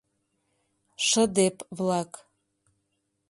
Шыдеп-влак